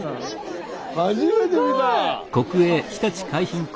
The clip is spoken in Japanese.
初めて見た！